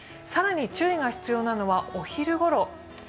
更に注意が必要なのはお昼ごろ。